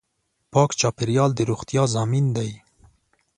پاک چاپېریال د روغتیا ضامن دی.